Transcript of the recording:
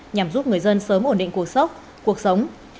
nhằm giúp người dân sớm ổn định cuộc sống